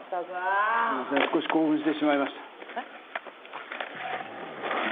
あっいや私も。